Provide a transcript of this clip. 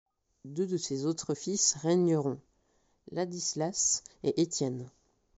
Deux de ses autres fils règneront, Ladislas, et Étienne.